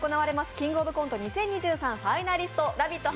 「キングオブコント２０２３」ファイナリスト、「ラヴィット！」